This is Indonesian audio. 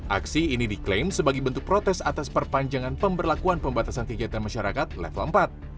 aksi ini diklaim sebagai bentuk protes atas perpanjangan pemberlakuan pembatasan kegiatan masyarakat level empat